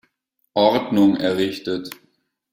Ordnung errichtet.